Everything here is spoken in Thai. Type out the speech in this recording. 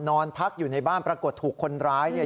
นอนพักอยู่ในบ้านปรากฏถูกคนร้ายเนี่ย